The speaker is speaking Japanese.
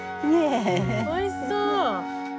おいしそう！